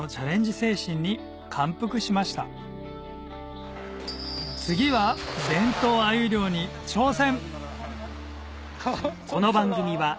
精神に感服しました次は伝統アユ漁に挑戦！